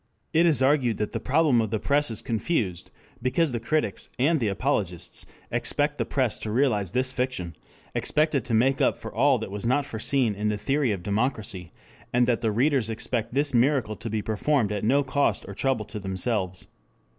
It is argued that the problem of the press is confused because the critics and the apologists expect the press to realize this fiction, expect it to make up for all that was not foreseen in the theory of democracy, and that the readers expect this miracle to be performed at no cost or trouble to themselves.